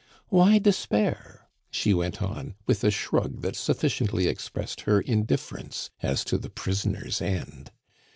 "Why despair?" she went on, with a shrug that sufficiently expressed her indifference as to the prisoner's end.